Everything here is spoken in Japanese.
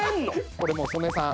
これもう曽根さん